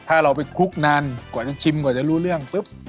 ถ้าเราไปคลุกนานกว่าจะชิมกว่าจะรู้เรื่องปุ๊บ